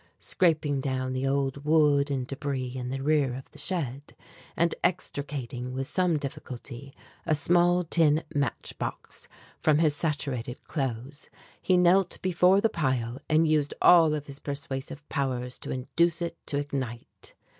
Scraping together the old wood and débris in the rear of the shed, and extricating with some difficulty a small tin match box from his saturated clothes, he knelt before the pile and used all of his persuasive powers to induce it to ignite.